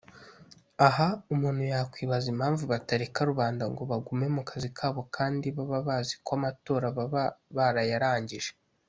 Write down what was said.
Aha umuntu yakwibaza impamvu batareka rubanda ngo bagume mu kazi kabo kandi baba bazi ko amatora baba barayarangije